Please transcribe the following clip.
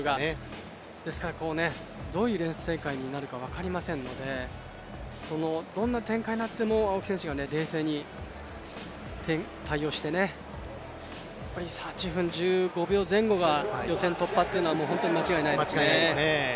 ですから、どういうレース展開になるか分かりませんのでどんな展開になっても青木選手が冷静に対応して、８分１５秒前後が予選突破というのは間違いないですね。